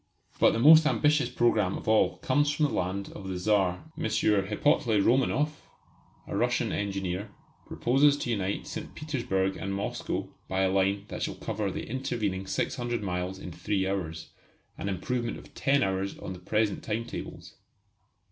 But the most ambitious programme of all comes from the land of the Czar. M. Hippolyte Romanoff, a Russian engineer, proposes to unite St. Petersburg and Moscow by a line that shall cover the intervening 600 miles in three hours an improvement of ten hours on the present time tables.